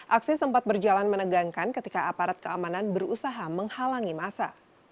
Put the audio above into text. aksi sempat berjalan menegangkan ketika aparat keamanan berusaha menghalangi masa